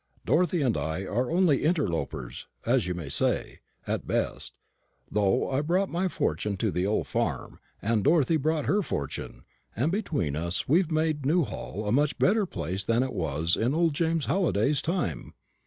Dorothy and I are only interlopers, as you may say, at the best, though I brought my fortune to the old farm, and Dorothy brought her fortune, and between us we've made Newhall a much better place than it was in old James Halliday's time.